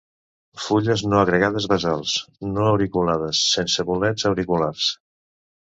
Fulles no agregades basals; no auriculades; sense bolets auriculars.